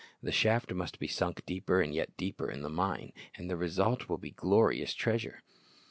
The shaft must be sunk deeper and yet deeper in the mine, and the result will be glorious treasure.